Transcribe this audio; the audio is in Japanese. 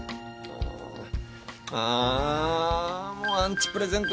もうアンチプレゼント